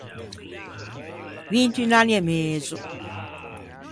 Vint’un anni e mezo.